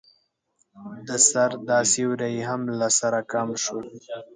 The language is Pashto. د سر دا سيوری يې هم له سره کم شو.